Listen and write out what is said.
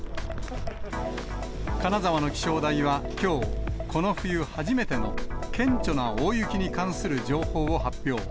金沢の気象台はきょう、この冬初めての顕著な大雪に関する情報を発表。